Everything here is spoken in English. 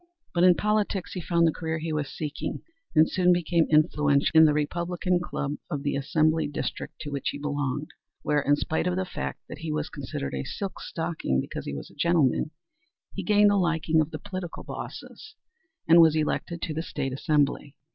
But in politics he found the career he was seeking, and soon became influential in the Republican Club of the assembly district to which he belonged, where, in spite of the fact that he was considered a "silk stocking" because he was a gentleman, he gained the liking of the political bosses and was elected to the State Assembly.